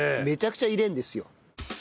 めちゃくちゃ入れるんですよ。